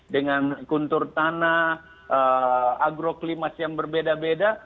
dengan kuntur tanah agroklimas yang berbeda beda